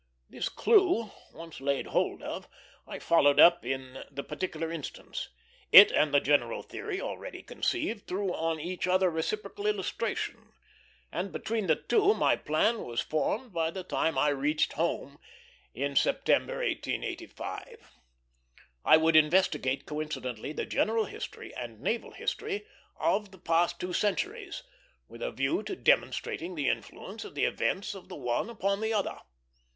This clew, once laid hold of, I followed up in the particular instance. It and the general theory already conceived threw on each other reciprocal illustration; and between the two my plan was formed by the time I reached home, in September, 1885. I would investigate coincidently the general history and naval history of the past two centuries, with a view to demonstrating the influence of the events of the one upon the other.